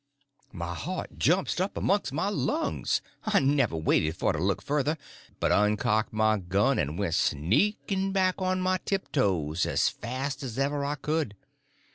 My heart jumped up amongst my lungs. I never waited for to look further, but uncocked my gun and went sneaking back on my tiptoes as fast as ever I could.